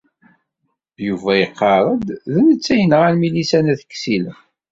Yuba iqarr-d d netta ay yenɣan Milisa n At Ksila.